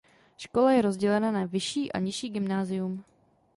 Škola je rozdělena na vyšší a nižší gymnázium.